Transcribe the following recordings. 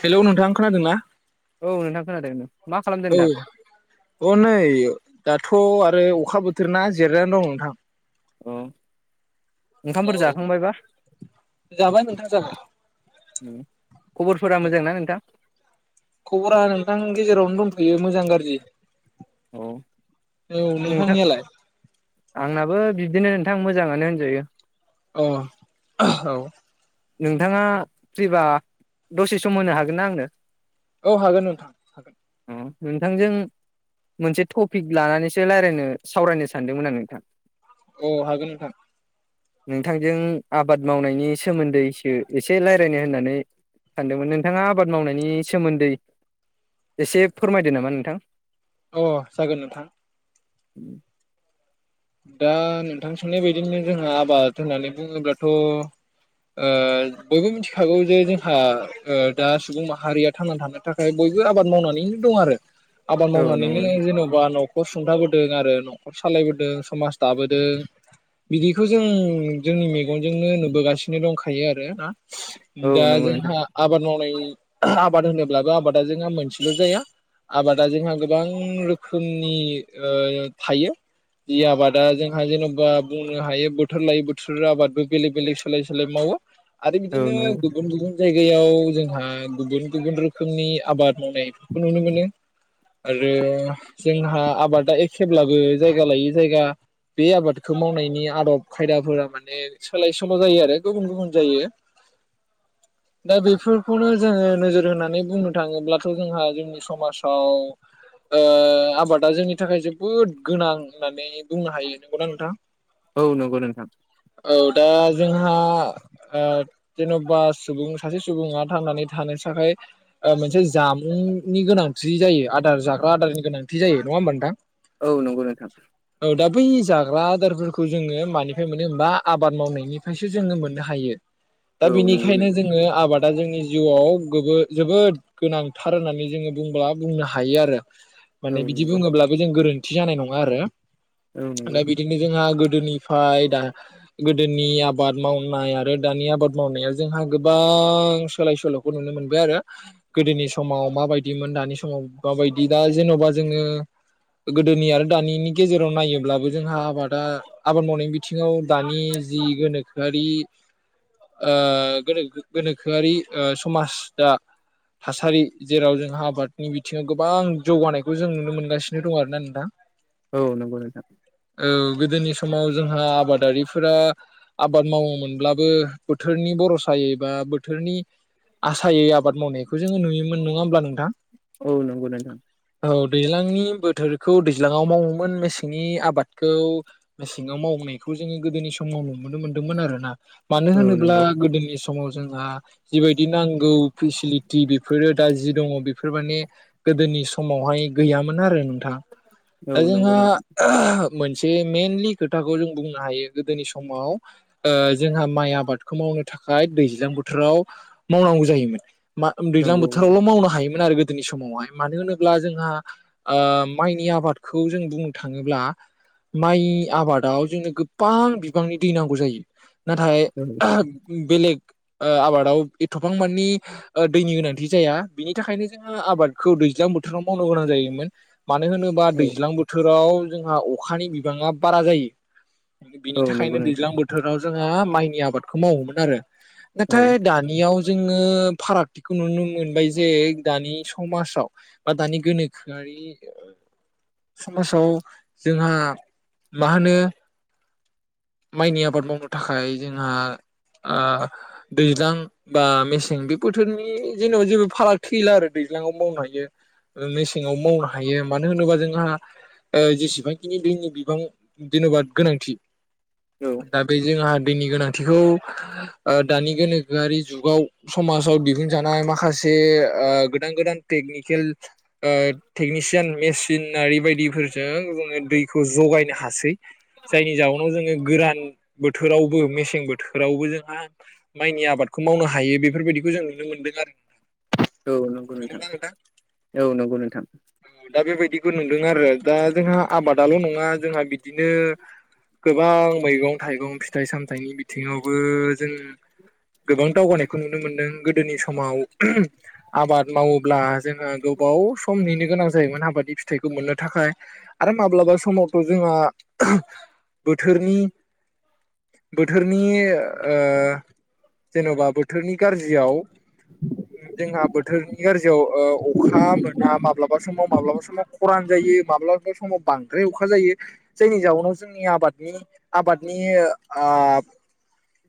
Hello नोंथां खोनादों ना औ नोंथां खोनादों मा खालामदों नोंथां थ' आरो अखा बोथोर ना जिरायनानै दं नोंथां औ औ जाबाय नोंथां जाबाय खबरफोरा औ मोजांना नोंथां खबरा नोंथां गेजेरावनो दंथ यो मोजां गाज्रि औ औ नोंथां नोंथांनियालाय आंनाबो बिदिनो नोंथां मोजाङानो होनजायो अ औ नोंथाङा फ्रिबा दसे सम होनो हागोन ना आंनो औ हागोन नोंथां हागोन अ नोंथांजों मोनसे टपिक लानानैसो रायलायनो सावरायनो सानदोंमोन आ नोंथां औ हागोन नोंथां नोंथांजों आबाद मावनायनि सोमोन्दैसो एसे रायलायनो होननानै सानदोंमोन नोंथाङा आबाद मावनायनि सोमोन्दै एसे फोरमायदो नामा नोंथां अ जागोन नोंथां उम दा नोंथां सोंनाय बायदिनो जोंहा आबाद होननानै बुङोब्लाथ' ओ बयबो मिथिखागौ जे जोंहा दा सुबुं माहारिया थांनानै थानो थाखाय बयबो आबाद मावनानैनो दं आरो आबाद औ नंगौ मावनानैनो जेन'बा न' खर सुंथाबोदों आरो न'खर सालायबोदों समाज दाबोदों बिदिखौ जों जोंनि मेगनजोंनो नुबोगासिनो दंखायो आरो ना औ दा नंगौ नोंथां जोंहा आबाद मावनाय आबाद होनोब्लाबो आबादा जोंहा मोनसेल' जाया आबादा जोंहा गोबां रोखोमनि ओ थायो जि आबादा जोंहा जेन'बा बुंनो हायो बोथोर लायै बोथोर आबादबो बेलेग बेलेग सोलाय सोलाय मावो आरो औ बिदिनो नंगौ गुबुन गुबुन जायगायाव जोंहा गुबुन गुबुन रोखोमनि आबाद मावनायफोरखौ नुनो मोनो आरो जोंहा आबादा एखेब्लाबो जायगा लायै जायगा बे आबादखौ मावनायनि आदब खायदाफोरा माने सोलाय सोल' जायो आरो गुबुन गुबुन जायो दा बेफोरखौनो जोङो नोजोर होनानै बुंनो थाङोब्लाथ' जोंहा जोंनि समाजाव ओ आबादा जोंनि थाखाय जोबोद गोनां होननानै बुंनो हायो नंगौना नोंथां औ नंगौ नोंथां औ दा जोंहा ओ जेन'बा सुबुं सासे सुबुङा थांनानै थानो थाखाय मोनसे जामुंनि गोनांथि जायो आदार जाग्रा आदारनि गोनांथि जायो नङा होमबा नोंथां औ नंगौ नोंथां औ दा बै जा जाग्रा आदारफोरखौ जोङो मानिफ्राय मोनो होनबा आबाद मावनायनिफ्रायसो जोङो मोननो हायो दा औ नंगौ बिनिखायनो नोंथां जोङो आबाद दा जोंनि जिउआव गो जोबोद गोनांथार होननानै जोङो बुंब्ला बुंनो हायो आरो औ माने बिदि नंगौ बुङोब्लाबो जों गोरोन्थि थि जानाय नं - ङा आरो औ नंगौ दा बिदिनो जोंहा गो गोदोनिफ्राय दा गोदोनि आबाद मावनाय आरो दानि आबाद मावनायाव जोंहा गोबां सोलाय सोल'खौ नुनो मोनबाय आरो गोदोनि समाव माबायदिमोन दानि समाव माबायदि दा जेन'बा जोङो गोदोनि आरो दानिनि गेजेराव नायोब्लाबो जोंहा आबादा आबाद मावनायनि बिथिङाव दानि जि गोनोखोआरि ओ गोनोखोआरि समाज दा थासारि जेराव जोंहा आबादनि बिथिङाव गोबां जौगानायखौ जों नुनो मोनगासिनो दं आरोना नोंथां औ नंगौ नोंथां औ गोदोनि समाव जोंहा आबादारिफोरा आबाद मावोमोनब्लाबो बोथोरनि बरसायै बा बोथोरनि आसायै आबाद मावनायखौ जोङो नुयोमोन नङा होमब्ला नोंथां औ नोंगौ नोंथां औ दैज्लांनि बोथोरखौ दै दैज्लाङाव मावोमोन मेसेंनि आबादखौ मेसेङाव मावनायखौ जोङो गोदोनि समाव नुनो मोन्दोंमोन आरोना मानो औ होनोब्ला नंगौ गोदोनि समाव जोंहा जिबायदि नांगौ फेसिलिटि बेफोरो दा जि दङ बेफोर माने गोदोनि समावहाय गैयामोन आरो नोंथां औ दा नंगौ जोंहा नोंथां मोनसे मेनलि खोथाखौ जों बुंनो हायो गोदोनि समाव जोंहा माइ आबादखौ मावनो थाखाय दैज्लां बोथोराव मावनांगौ जायोमोन मा दैज्लां नंगौ औ बोथोरावल' मावनो हायोमोन आरो गोदोनि समावहाय मानो होनोब्ला जोंहा ओ माइनि आबाद खौ जों बुंनो थाङोब्ला माइ आबादाव जोंनो गोबां बिबांनि दै नांगौ जायो नाथाय बेलेग आबादाव एथ'बां मानि दैनि गोनांथि जाया बिनि थाखायनो जोङो आबादखौ दैज्लां बोथोराव मावनो गोनां जायोमोन मानो होनोबा औ दै बोथोराव जोंहा अखानि बिबाङा बारा जायो औ बिनि नंगौ थाखायनो नोंथां दैज्लां बोथोराव जोङो माइनि आबादखौ मावोमोन आरो औ नाथाय दानियाव जोङो फारागथिखौ नुनो मोनबाय जे दानि समाजाव बा दानि गोनोखोआरि समाजाव जोंहा मा होनो माइनि आबाद मावनो थाखाय जोंहा ओ दैज्लां बा मेसें बे बोथोरनि जेनेबा जेबो फाराग थैला आरो दैज्लाङाव मावनो हायो, मेसेङाव मावनो हायो। मानो होनोबा जोंहा जेसेबांखिनि दैनि बिबां जेन'बा गोनांथि औ दा बे जोंहा दैनि गोनांथिखौ दानि गोनोखोआरि जुगाव समाजाव दिहुनजानाय माखासे गोदान गोदान टेकनिकेल ओ टेकनिस सिटेन मेसिनारि बायदिफोरजों जोंङो दैखौ जगायनो हासै। जायनि जाउनाव जोंङो गोरान बोथोरावबो मेसें बोथोरावबो जोंहा माइनि आबादखौ मावनो हायो। बेफोरबायदिखौ जों नुनो मोनदों आरोना। औ नंगौ नोंथां औ नंगौ नोंथां। दा बेबायदिखौ नुदों आरो दा जोंहा आबादाल नङा जोंहा बिदिनो गोबां मैगं थाइगं फिथाइ साम थायनि बिथिङावबो जों गोबां दावगानायखौ नुनो मोनदों। गोदोनि समाव आबाद मावोब्ला जोंङो गोबाव सम नेनो गोनां नाबादनि फिथाइखौ मोननो थाखाय आरो माब्लाबा समावथ' जोंङो बोथोरनि बोथोरनि ओ जेनबा बोथोरनि गाज्रियाव जोंहा बोथोरनि गाज्रियाव ओ अखा मोना माब्लाबा समाव माब्लाबा समाव खरान जायो माब्लाबा समाव बांद्राय अखा जायो। जायनि जाउनाव जोंनि आबादनि आबादनि ओ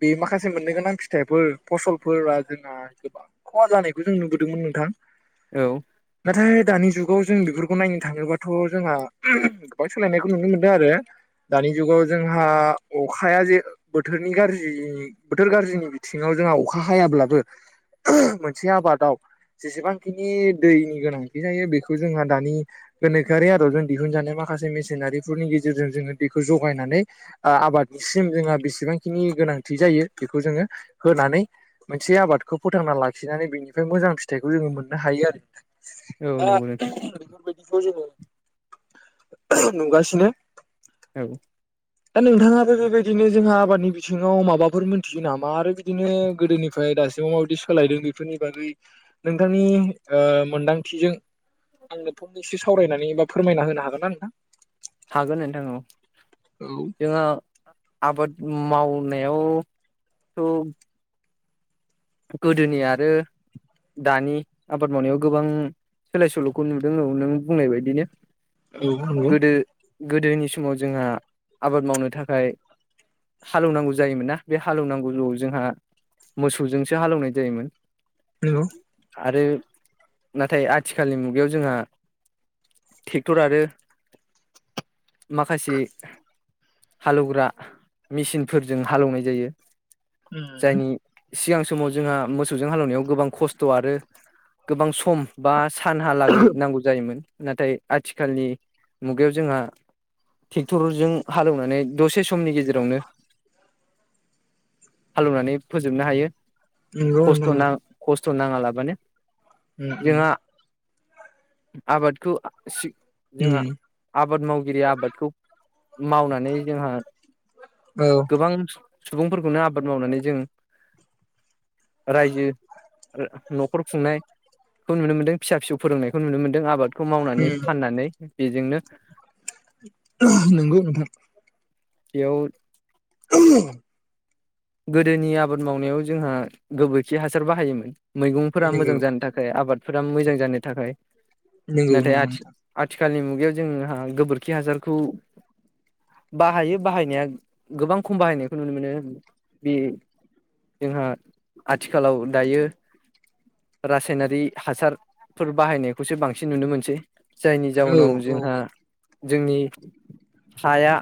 बे माखासे मोननो गोनां फिथाइफोर फसलफोरा जोंना गोबां खहा जानायखौ जों नुबोदोंमोन नोंथां। औ नाथाय दानि जुगाव जों बेफोरखौ नायनो थाङोबाथ' जोंहा गोबां सोलायनायखौ नुनो मोनदों आरो दानि जुगाव जोंहा अखाया जे बोथोरनि गाज्रि बोथोर गाज्रिनि बिथिङाव जोंहा अखा हायाब्लाबो मोनसे आबादाव जेसेबांखिनि दैनि गोनांथि जायो बे खौ जोंहा दानि गोनोखोआरि आदबजों दिहुनजानाय माखासे मेसिनारिफोरनि गेजेरजों जोंङो दैखौ जगायनानै आबादनिसिम जोंहा बेसेबांखिनि गोनांथि जायो बेखौ जोंङो होनानै मोनसे आबादखौ फोथांना लाखिनानै बेनिफ्राय मोजां फिथाइखौ जोंङो मोननो हायो आरो। औ नंगौ नों बेफोर बादिखौ जोंङो नुगासिनो। औ दा नोंथाङाबो बेबायदिनो जोंहा आबादनि बिथिङाव माबाफोर मोनथियो नामा आरो बिदिनो गोदोनिफ्राय दासिमाव माबायदि सोलायदों बेफोरनि बागै नोंथांनि ओ मोनदांथिजों आंनो फंमनैसो सावरायनानै फोरमायना होनो हागोन ना नोंथां? हागोन नोंथां औ। औ जोंहा आबाद मावनायावथ' गोदोनि आरो दानि आबाद मावनायाव गोबां सोलाय सोलखौ नुदों नों बुंनाय बायदिनो औ नंगौ। गोदो गोदोनि समाव जोंहा आबाद मावनो थाखाय हालौनांगौ जायोमोन ना? बे हालौवनांगौआव जोंहा मो सौजोंसो हालेवनाय जायोमोन। नंगौ आरो नाथाय आथिखालनि मुगायाव जोंहा ट्रेक्टर आरो माखासे हालेवग्रा मेसिनफोरजों हालौवनाय जायो उम। जायनि सिगां समाव जोंहा मोसौजों हालेवनायाव गोबां खस्थ' आरो गोबां सम बा सानहालागै नांगौ जायोमोन। नाथाय आथिखालनि मुगायाव जोंहा ट्रेक्टरजों हालेवनानै दसे समनि गेजेरावनो हालौनानै फोजोबनो हायो। नंगौ खस्थ' ना खस्थ सम नांङा लाबानो। उम उम। जोंहा आबादखौ जोंहा आबाद मावगिरि आबादखौ मावनानै जोंहा गोबां सुबुंफोरखौनो आबाद मावनानै जों रायजो न'खर खुंनायखौ नुनो मोनदों फिसा फिसौ फोरोंनायखौ नुनो मोनदों आबाद खौ मावनानै फाननानै बेजोंनो। नंगौ नोंथां। इयाव [unintelligible] गोदोनि आबाद मावनायाव जोंहा गोबोरखि हासार बाहायोमोन। मैगंफोरा मोजां जानो थाखाय आबाद फोरा मोजां जानो थाखाय नंगौ नंगौ नोंथां। खालनि मुगायाव जोंहा गोबोरखि हासारखौ बाहायो बाहायनाया गोबां खम बाहायनायखौ नुनो मोनो। बे जोंहा आथिखालाव दायो रासायनारि हासारफोर बाहायनायखौसो बांसिन नुनो मोनसै। जायनि औ जाउनाव औ जोंहा जोंनि हाया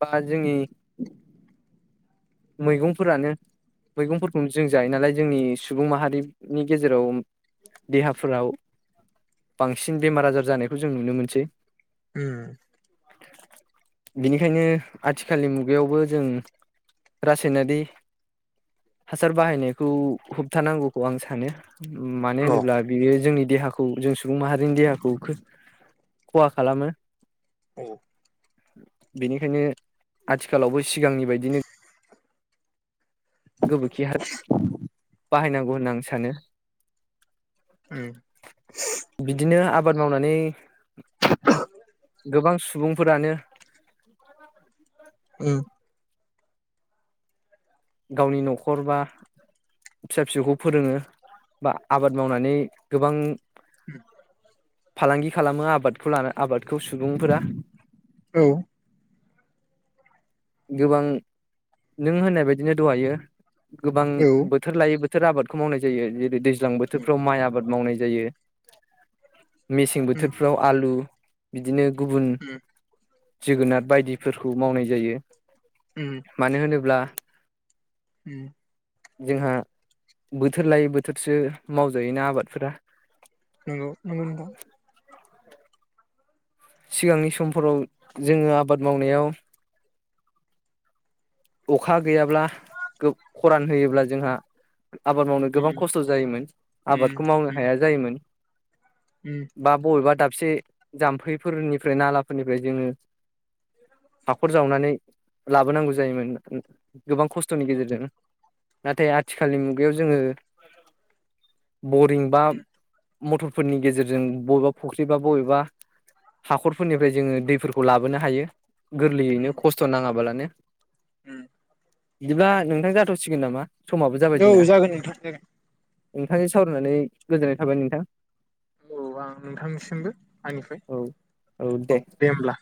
बा जोंनि [inaudible] मैगंफोरानो मैगंफोरखौनो जों जायो नालाय जोंनि सुबुं माहारिनि गेजेराव देहाफोराव बांसिन बेमार आजार जानायखौ जों नुनो मोनसै। उम। बेनिखायनो आथिखालनि मुगायावबो जों रासायनारि हासार बाहायनायखौ होबथानांगौखौ आं सानो। मानो औ होनोब्ला बेयो जोंनि देहाखौ जों सुबुं माहारिनि देहाखौ खो-खहा खालामो। औ बेनिखायनो आथिखालावबो सिगांनि बायदिनो गोबोरखि हा बाहायनांगौ होनना आं सानो। औ नंगौ बिदिनो आबाद मावनानै गोबां सुबुंफोरानो ओम गावनि न'खर बा फिसा फिसौखौ फोरोङो बा आबाद मावनानै गोबां ओम फालांगि खालामो आबादखौ लाना आबादखौ सुबुंफोरा। औ गोबां नों होननाय बाय दिनो दहायो गोबां बोथोर लायै बो थोर आबादखौ मावनाय जायो जेरै दै ज्लां बोथोरफ्राव माइ आबाद मावनाय जायो। मेसें बोथोरफ्राव आलु। बिदिनो गुबुन जोगोनार बायदिफोरखौ मावनाय जायो। मानो होनोब्ला ओम जोंहा बोथोर लायै बोथोरसो मावजायोना आबादफोरा। नोंगौ नोंगौ नोंथां। सिगांनि समफोराव जोङो आबाद मावनायाव अखा गैयाब्ला गो-खरान होयोब्ला जोंहा आबाद मावनो गोबां खस्थ' जायोमोन उम आबादखौ मावनो उम हाया जायोमोन। उम बा बबेबा दाब से जाम्फैफोरनिफ्राय नालाफोरनिफ्राय जोङो हाखर जावनानै लाबोनांगौ जायोमोन। [inaudible] गोबां खस्थ'नि गेजेरजों नाथाय आथिखालनि मुगायाव जोङो। बरिं बा। उम मटरफोरनि गेजेरजों बबेबा फुख्रि बा बबेबा हाखरफोरनिफ्राय जोङो दैफोरखौ लाबोनो हायो। गोरलैयैनो खस्थ' नाङाबालानो। उम बिदिबा नोंथां जाथावसिगोन नामा। समाबो जाबाय औ जोंना जागोन नोंथां जागोन। नोंथांजों सावरायनानै गोजोननाय थाबाय नोंथां। औ आं नोंथांनिसिमबो आंनिफ्राय औ औ दे होमब्ला।